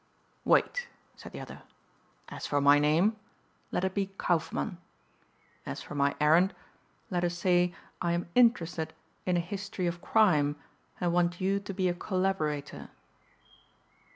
"Wait," said the other. "As for my name let it be Kaufmann. As for my errand, let us say I am interested in a history of crime and want you to be a collaborator."